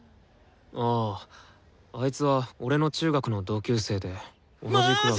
あああいつは俺の中学の同級生で同じクラスの。